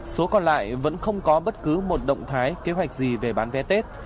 số còn lại vẫn không có bất cứ một động thái kế hoạch gì về bán vé tết